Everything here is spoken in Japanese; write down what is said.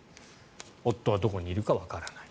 夫はどこにいるかわからない。